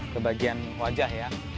ke bagian wajah ya